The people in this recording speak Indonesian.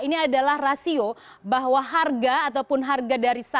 ini adalah rasio bahwa harga ataupun harga di dalamnya